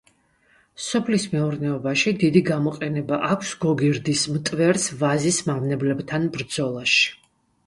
სოფლის მეურნეობაში დიდი გამოყენება აქვს გოგირდის მტვერს ვაზის მავნებლებთან ბრძოლაში.